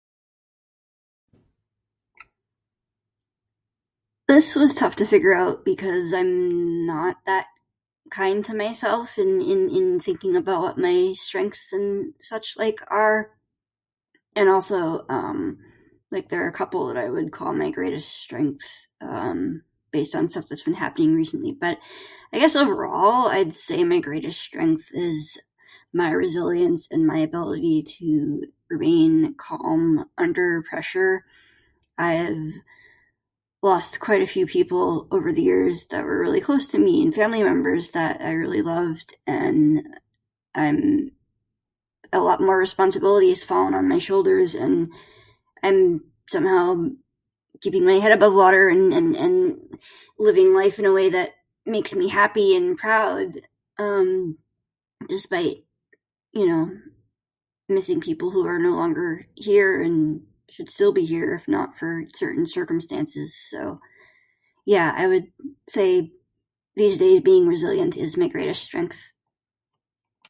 This was tough to figure out because I'm not that kind to myself in in in thinking about what my strengths and such like are. And, also, um, like there are a couple that I would call my greatest strengths, um, based on stuff that's been happening recently. But, I guess overall I'd say my greatest strength is my resilience and my ability to remain calm under pressure. I've lost quite a few people over the years that were really close to me and family members that I really loved and I'm a lot more responsibility has fallen on my shoulders and I'm somehow keeping my head above water and and and living life in a way that makes me happy and proud, um, despite, you know, missing people who are no longer here and should still be if not for certain circumstances, so. Yeah I would say these days, being resilient is my greatest strength.